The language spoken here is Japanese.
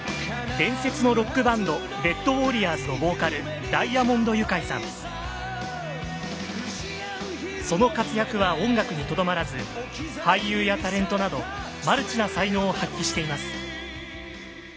伝説のロックバンドレッドウォーリアーズのボーカルその活躍は音楽にとどまらず俳優やタレントなどマルチな才能を発揮しています。